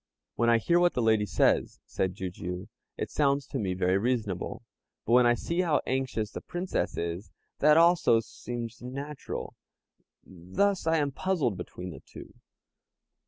"When I hear what the lady says," said Jijiu, "it sounds to me very reasonable; but when I see how anxious the Princess is, that also seems natural. Thus I am puzzled between the two.